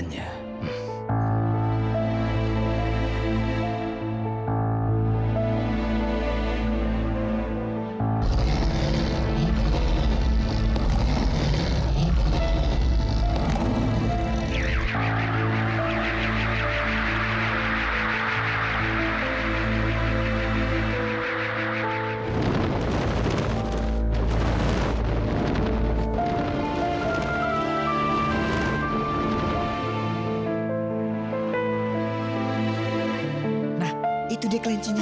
nah itu dia klincenya